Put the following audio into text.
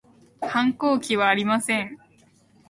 反抗期はありません